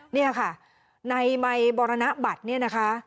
เนี่ยค่ะในมัยบรณบัตรเนี่ยนะคะ